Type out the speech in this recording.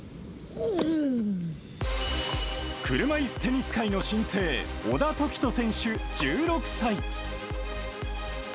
車いすテニス界の新星、小田凱人選手、１６歳。